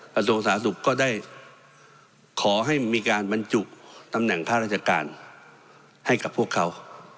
กระทรวงสาธารณสุขก็ได้ขอให้มีการบรรจุตำแหน่งข้าราชการให้กับพวกเขา